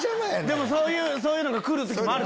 でもそういうのが来る時もある。